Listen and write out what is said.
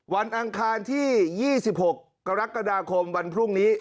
อังคารที่๒๖กรกฎาคมวันพรุ่งนี้